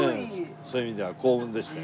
そういう意味では幸運でした。